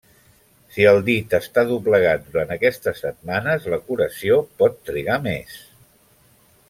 Si el dit està doblegat durant aquestes setmanes, la curació pot trigar més.